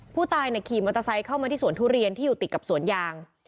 ผู้ตายขี่มอเตอร์ไซค์เข้ามาที่สวนทุเรียนที่อยู่ติดกับสวนยาง